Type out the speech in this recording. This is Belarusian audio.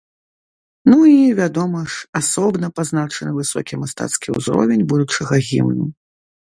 Ну і, вядома ж, асобна пазначаны высокі мастацкі ўзровень будучага гімну.